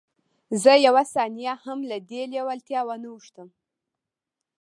زه یوه ثانیه هم له دې لېوالتیا وانه وښتم